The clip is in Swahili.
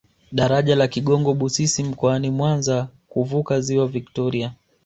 Daraja la Kigongo Busisi mkoani mwanza kuvuka ziwa viktoria